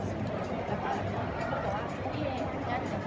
พี่แม่ที่เว้นได้รับความรู้สึกมากกว่า